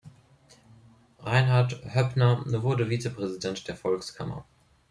Reinhard Höppner wurde Vizepräsident der Volkskammer.